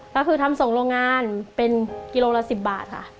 ก็คือทำส่งโรงงานเป็นกิโลละ๑๐บาทค่ะ